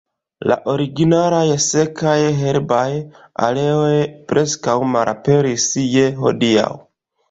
La originalaj sekaj, herbaj areoj preskaŭ malaperis je hodiaŭ.